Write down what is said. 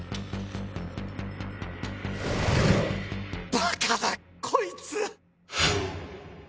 バカだこいつ